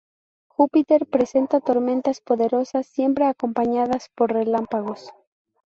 Júpiter presenta tormentas poderosas, siempre acompañadas por relámpagos.